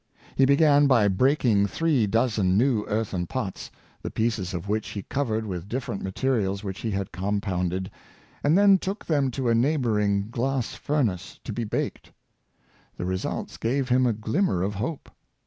He began by breaking three dozen new earthen pots, the pieces of which he covered with dif 196 Bernard Palissy, ferent materials which he had compounded, and then took them to a neighboring glass furnace to be baked. The results gave him a glimmer of hope.